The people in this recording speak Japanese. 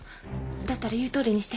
だったら言うとおりにして。